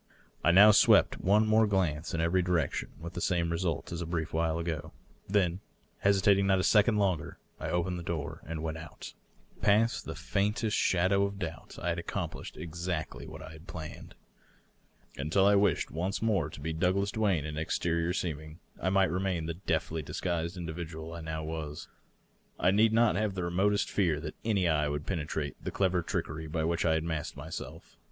I now swept one more glance in every direction, and with the same result as a brief while ago. Then, hesi tating not a second longer, I opened the door and went out. Past the faintest slmdow of doubt I had accomplished exactly what I had planned. Until I wished once more to be Douglas Duane in ex terior seeming, I might remain the deftly disguised individual I now was. I need not have the remotest fear that any eye would penetrate the clever trickery by which I had masked myself.